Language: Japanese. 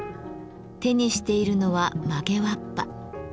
手にしているのは曲げわっぱ。